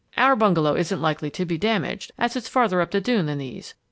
Our bungalow isn't likely to be damaged, as it's farther up the dune than these.